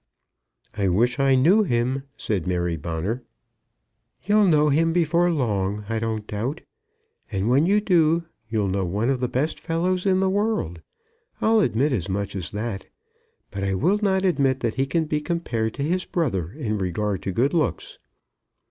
"I wish I knew him," said Mary Bonner. "You'll know him before long, I don't doubt. And when you do, you'll know one of the best fellows in the world. I'll admit as much as that; but I will not admit that he can be compared to his brother in regard to good looks."